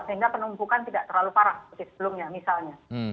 sehingga penumpukan tidak terlalu parah seperti sebelumnya misalnya